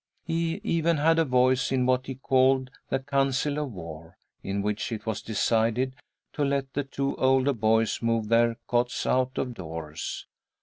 He even had a voice in what he called the Council of War, in which it was decided to let the two older boys move their cots out of doors.